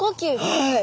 はい。